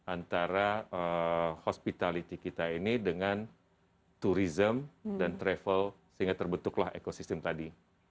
antara hospitality kita ini dengan tourism dan travel sehingga terbentuklah ekosistem tadi